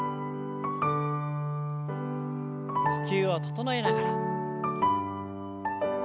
呼吸を整えながら。